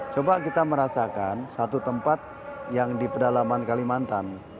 coba kita merasakan satu tempat yang di pedalaman kalimantan